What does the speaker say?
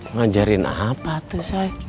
ngajarin apa tuh say